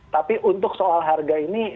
tapi untuk soal harga ini